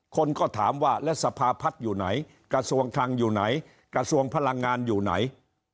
คนก็ถามว่าแล้วสภาพัฒน์อยู่ไหนกระทรวงคลังอยู่ไหนกระทรวงพลังงานอยู่ไหน